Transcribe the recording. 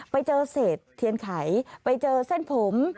ไปเจอเศษเทียนไขไปเจอเส้นผม